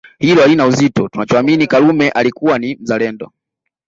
Hilo halina uzito tunachoamini Karume alikuwa ni mzalendo